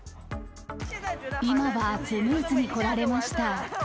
今はスムーズに来られました。